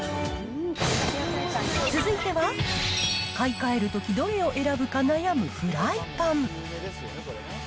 続いては、買い替えるとき、どれを選ぶか悩むフライパン。